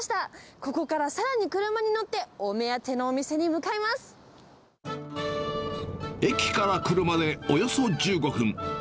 ここから、さらに車に乗って、駅から車でおよそ１５分。